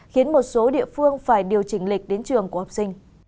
khiến một số địa phương phải điều chỉnh lịch đến trường của học sinh